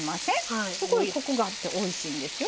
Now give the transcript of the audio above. すごいコクがあっておいしいんですよ